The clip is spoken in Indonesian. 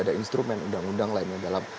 ada instrumen undang undang lainnya dalam